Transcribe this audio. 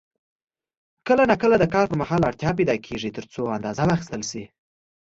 کله نا کله د کار پر مهال اړتیا پیدا کېږي ترڅو اندازه واخیستل شي.